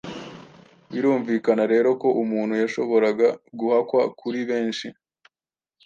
birumvikana rero ko umuntu yashoboraga guhakwa kuri benshi